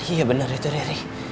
iya bener itu riri